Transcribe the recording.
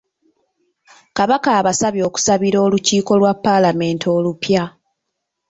Kabaka abasabye okusabira olukiiko lwa Palamenti olupya.